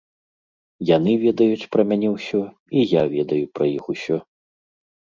Яны ведаюць пра мяне ўсё, і я ведаю пра іх усё.